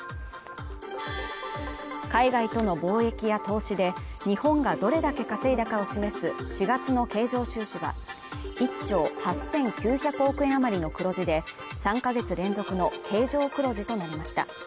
海外との貿易や投資で日本がどれだけ稼いだかを示す４月の経常収支は、１兆８９００億円余りの黒字で３か月連続の経常黒字となりました。